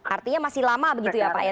artinya masih lama begitu ya pak ya